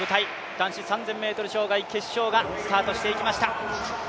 男子３０００ｍ障害決勝がスタートしていきました。